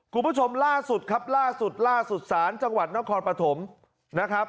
คุณผู้ชมล่าสุดครับล่าสุดล่าสุดศาลจังหวัดนครปฐมนะครับ